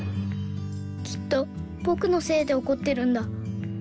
きっとぼくのせいでおこってるんだ。